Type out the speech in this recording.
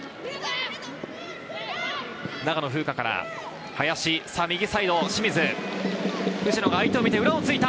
長野風花から林、右サイドの清水。